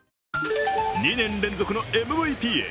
２年連続のＭＶＰへ。